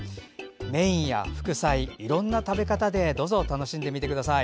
メインや副菜、いろんな食べ方でどうぞ楽しんでください。